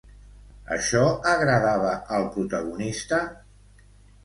Això agradava al protagonista?